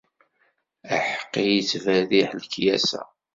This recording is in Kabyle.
Aḥeqqi yettberriḥ lekyasa.